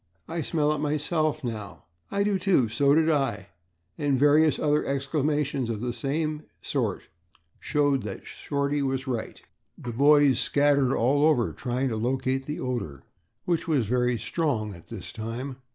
I smell it myself, now." "I do, too." "So do I." and various other exclamations of the same sort showed that Shorty was right. The boys scattered all over trying to locate the odor, which was very strong at this time.